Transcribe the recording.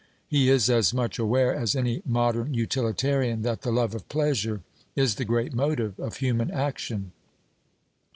He is as much aware as any modern utilitarian that the love of pleasure is the great motive of human action.